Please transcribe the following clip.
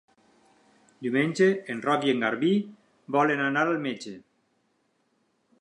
Diumenge en Roc i en Garbí volen anar al metge.